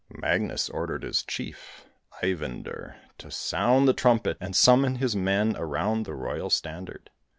Magnus ordered his chief, Eyvinder, to sound the trumpet and summon his men around the royal standard.